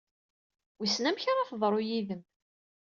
Wissen amek ara teḍru yid-m?